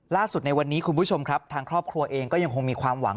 ในวันนี้คุณผู้ชมครับทางครอบครัวเองก็ยังคงมีความหวัง